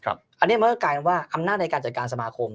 อันนี้มันก็กลายเป็นว่าอำนาจในการจัดการสมาคม